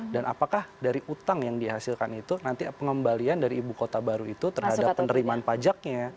dan apakah dari utang yang dihasilkan itu nanti pengembalian dari ibu kota baru itu terhadap penerimaan pajaknya